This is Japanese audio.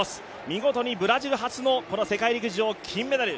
見事にブラジル初の世界陸上、金メダル。